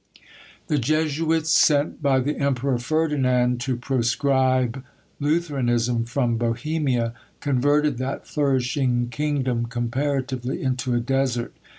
The Jesuits, sent by the emperor Ferdinand to proscribe Lutheranism from Bohemia, converted that flourishing kingdom comparatively into a desert.